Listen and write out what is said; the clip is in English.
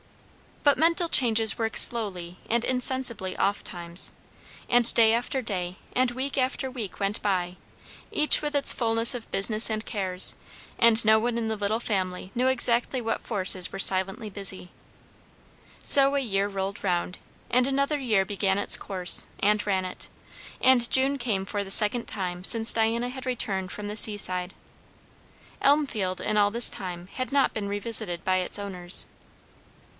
But mental changes work slowly and insensibly ofttimes; and day after day and week after week went by, each with its fulness of business and cares; and no one in the little family knew exactly what forces were silently busy. So a year rolled round, and another year began its course, and ran it; and June came for the second time since Diana had returned from the seaside. Elmfield in all this time had not been revisited by its owners.